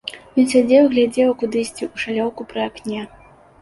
Ён сядзеў і глядзеў кудысьці ў шалёўку пры акне.